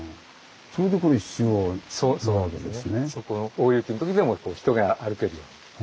大雪のときでも人が歩けるように。